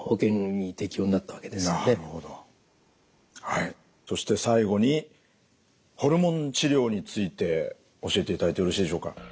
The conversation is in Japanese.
はいそして最後にホルモン治療について教えていただいてよろしいでしょうか。